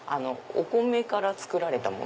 お米から作られたもの？